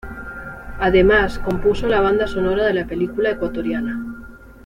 Además compuso la banda sonora de la película ecuatoriana.